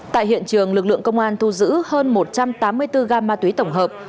tại hiện trường lực lượng công an thu giữ hơn một trăm tám mươi bốn gam ma túy tổng hợp